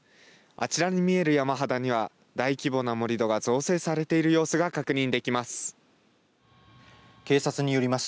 あちらに見える山肌には大規模な盛り土が造成されている様子が確認できます。